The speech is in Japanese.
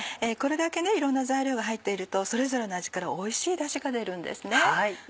これだけいろんな材料が入っているとそれぞれの味からおいしいダシが出るんですね。